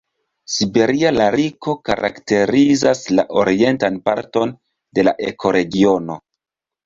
Siberia lariko karakterizas la orientan parton de la ekoregiono.